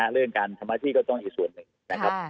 เรื่องการทำหน้าที่ก็ต้องอีกส่วนหนึ่งนะครับ